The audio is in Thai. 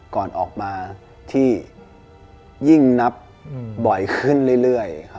ก่อนออกมาที่ยิ่งนับบ่อยขึ้นเรื่อย